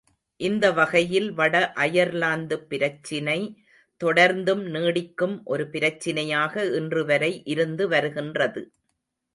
இந்தவகையில் வட அயர்லாந்துப் பிரச்சினை தொடர்ந்தும் நீடிக்கும் ஒரு பிரச்சினையாக இன்று வரை இருந்து வருகின்றது.